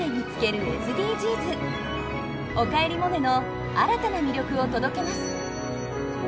「おかえりモネ」の新たな魅力を届けます。